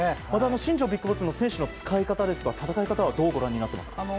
また新庄ビッグボスの選手の使い方、戦い方はどうご覧になりますか？